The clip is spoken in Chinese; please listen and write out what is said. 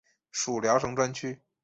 属聊城专区。